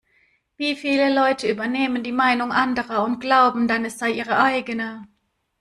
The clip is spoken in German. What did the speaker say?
Wie viele Leute übernehmen die Meinung anderer und glauben dann, es sei ihre eigene?